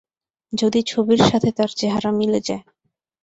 যদি ছবির সাথে তার চেহারা মিলে যায়।